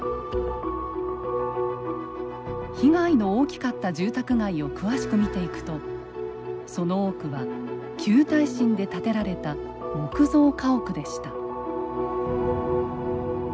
被害の大きかった住宅街を詳しく見ていくとその多くは旧耐震で建てられた木造家屋でした。